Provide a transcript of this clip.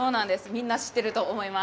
みんな、知ってると思います。